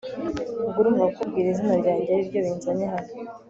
ubwo urumva kukubwira izina ryanjye ariryo binzanye hano!